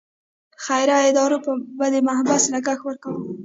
خیریه ادارو به د محبس لګښت ورکاوه.